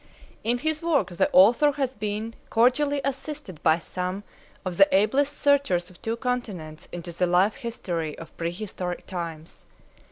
In his work the author has been cordially assisted by some of the ablest searchers of two continents into the life history of prehistoric times.